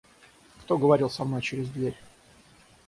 Кто говорил со мной через дверь?